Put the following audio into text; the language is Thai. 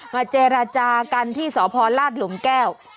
เจรจากันที่สพลาดหลุมแก้ว